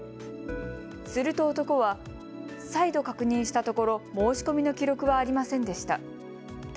すると男は再度、確認したところ申し込みの記録はありませんでした。